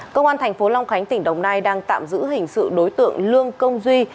công an thành phố long khánh tỉnh đồng nai đang tạm giữ hình sự đối tượng lương công duy